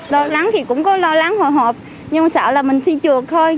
lo lắng thì cũng có lo lắng hồi hộp nhưng sợ là mình thi trượt thôi